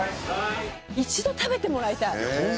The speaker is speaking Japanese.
一度食べてもらいたい。